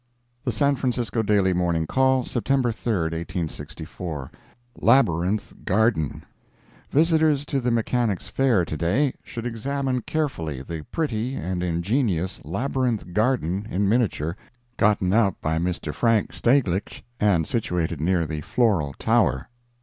The San Francisco Daily Morning Call, September 3, 1864 LABYRINTH GARDEN Visitors to the Mechanics' Fair, to day, should examine carefully the pretty and ingenious Labyrinth Garden, in miniature, gotten up by Mr. Frank Staeglich, and situated near the Floral Tower.